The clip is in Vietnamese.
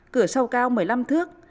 cửa sau cao một mươi năm thước